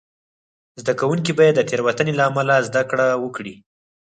زده کوونکي باید د تېروتنې له امله زده کړه وکړي.